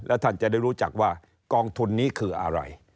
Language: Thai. แล้วท่านจะได้รู้จักว่า